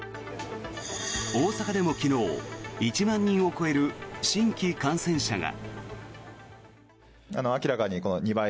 大阪でも昨日１万人を超える新規感染者が。